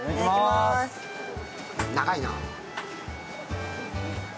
長いな。